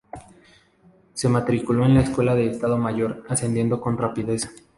Se matriculó en la Escuela de Estado Mayor, ascendiendo con rapidez.